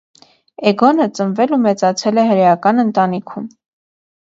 Էգոնը ծնվել ու մեծացել է հրեական ընտանիքում։